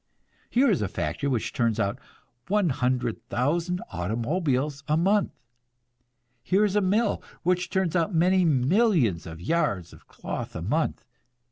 Here is a factory which turns out 100,000 automobiles a month. Here is a mill which turns out many millions of yards of cloth a month.